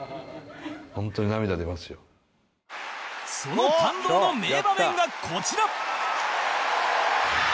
その感動の名場面がこちら！